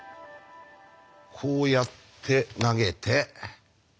こうやって投げて。